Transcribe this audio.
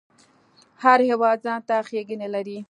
هر هیواد ځانته ښیګڼی لري